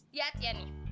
liat ya nih